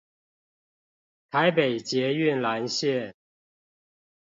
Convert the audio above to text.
臺北捷運藍線